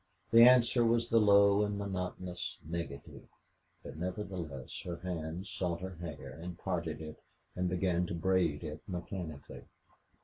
The answer was the low and monotonous negative, but, nevertheless, her hands sought her hair and parted it, and began to braid it mechanically.